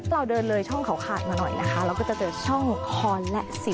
เราเดินเลยช่องเขาขาดมาหน่อยนะคะเราก็จะเจอช่องคอและสี